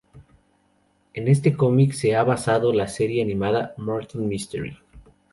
En este cómic se ha basado la serie animada "Martin Mystery".